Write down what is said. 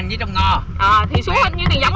ờ thì xuống hết nhiêu tiền giống rồi